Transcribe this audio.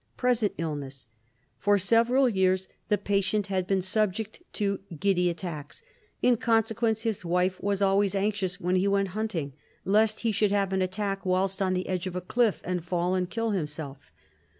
Present Illness: For several years, the patient had been subject to giddy attacks. In consequence, his wife was always anxious when he went hunting, lest he should have an attack whilst on the edge of a cliff, and fall and kill himself.